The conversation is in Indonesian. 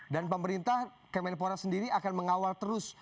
dan pemerintah pak menbora sendiri akan mengawal terus